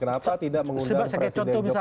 kenapa tidak mengundang presiden jokowi